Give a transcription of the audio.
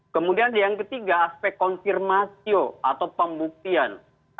kemudian yang ketiga aspek konfirmasio atau pembuktian